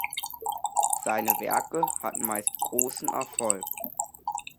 Seine Werke hatten meist großen Erfolg.